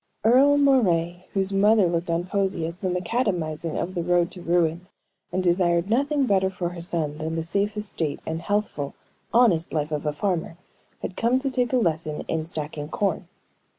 Earle Moray, whose mother looked on poesy as the macadamizing of the road to ruin, and desired nothing better for her son than the safe estate and healthful, honest life of a farmer, had come to take a lesson in stacking corn.